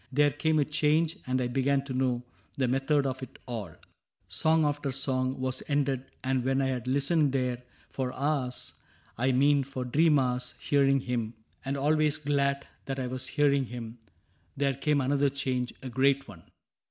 There came a change, and I began to know The method of it all. Song after song Was ended ; and when I had listened there For hours — I mean for dream hours — hearing him. 76 CAPTAIN CRAIG And always glad that I was hearing him, There came another change — a great one.